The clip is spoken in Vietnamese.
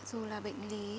dù là bệnh lý